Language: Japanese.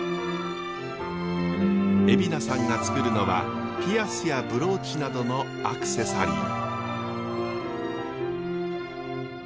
蝦名さんが作るのはピアスやブローチなどのアクセサリー。